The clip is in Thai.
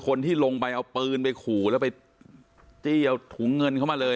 คนที่ลงไปเอาปืนไปขู่แล้วไปจี้เอาถุงเงินเข้ามาเลย